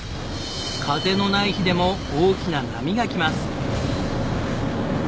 風のない日でも大きな波が来ます。